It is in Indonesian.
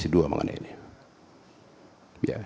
kami sih dua mengenai ini